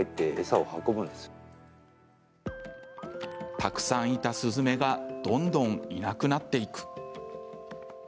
たくさんいたスズメがどんどんいなくなっていく。